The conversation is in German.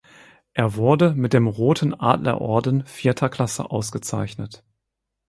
Er wurde mit dem Roten Adlerorden vierter Klasse ausgezeichnet.